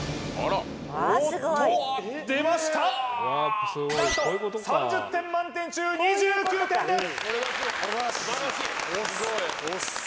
おっと！出ました何と３０点満点中２９点です！